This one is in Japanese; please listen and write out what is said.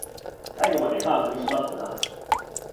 最後まで、歯食いしばってなー